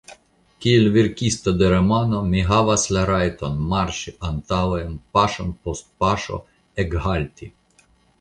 Kiel verkisto de romano mi havas la rajton marŝi antaŭen, paŝon post paŝo, ekhalti.